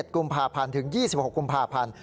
๑กุมภาพันธ์ถึง๒๖กุมภาพันธ์